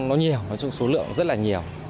nó nhiều nói chung số lượng rất là nhiều